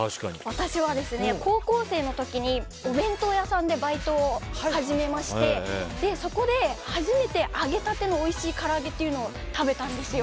私は高校生の時にお弁当屋さんでバイトを始めましてそこで初めて揚げたてのおいしいから揚げを食べたんですよ。